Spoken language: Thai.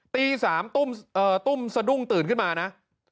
ตี๓ตุ้มสะดุ้งตื่นขึ้นมานะ